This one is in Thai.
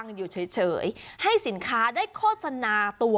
นี่คือเทคนิคการขาย